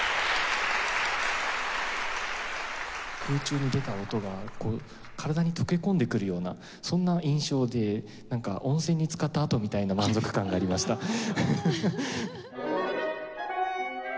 空中に出た音が体に溶け込んでくるようなそんな印象でなんか温泉につかったあとみたいな満足感がありました。